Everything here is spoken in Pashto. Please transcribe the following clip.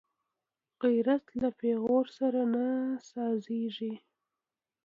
غیرت له پېغور سره نه سازېږي